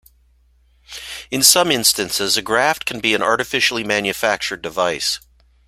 In some instances a graft can be an artificially manufactured device.